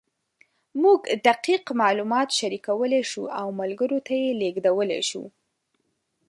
موږ دقیق معلومات شریکولی شو او ملګرو ته یې لېږدولی شو.